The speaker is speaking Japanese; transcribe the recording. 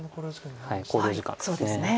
考慮時間ですね。